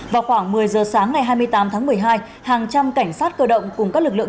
vào khoảng một mươi giờ sáng ngày hai mươi tám tháng một mươi hai hàng trăm cảnh sát cơ động cùng các lực lượng